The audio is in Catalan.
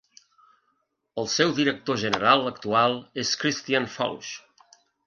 El seu director general actual és Christian Fausch.